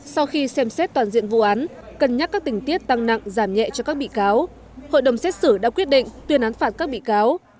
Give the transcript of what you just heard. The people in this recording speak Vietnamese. sau khi xem xét toàn diện vụ án cân nhắc các tình tiết tăng nặng giảm nhẹ cho các bị cáo hội đồng xét xử đã quyết định tuyên án phạt các bị cáo